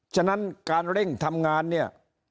ฉะนั้นการเร่งทำงานเนี่ย